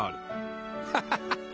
ハハハハ！